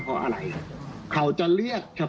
พี่สาวอายุ๗ขวบก็ดูแลน้องดีเหลือเกิน